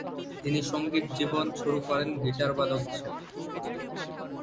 তিনি সঙ্গীত জীবন শুরু করেন গিটারবাদক হিসেবে।